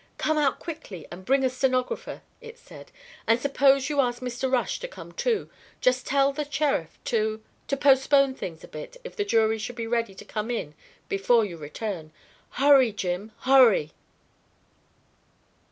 "Come out quickly and bring a stenographer," it said. "And suppose you ask Mr. Rush to come too. Just tell the sheriff to to postpone things a bit if the jury should be ready to come in before you return. Hurry, Jim, hurry."